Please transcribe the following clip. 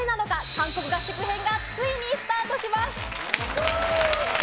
韓国合宿編がついにスタートします。